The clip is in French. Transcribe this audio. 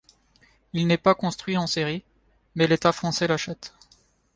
Il n'est pas construit en série mais l'État français l'achète.